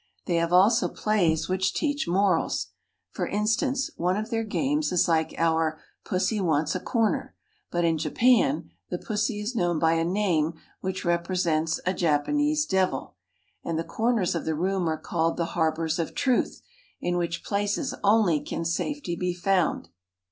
They have also plays which teach morals. For instance, one of their games is like our "Pussy Wants a Corner"; but in Japan the "pussy" is known by a name which represents a Japanese devil, and the corners of the room are called the Harbors of Truth, in which places only can safety be found.